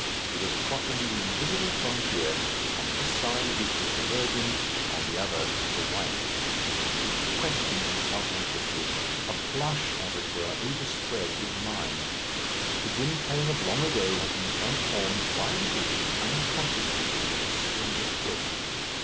He was crossing the invisible frontier, on this side of which is the virgin, on the other, the wife. He questioned himself anxiously. A blush, as it were, overspread his mind. The Gwynplaine of long ago had been transformed, by degrees, unconsciously in a mysterious growth.